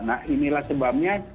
nah inilah sebabnya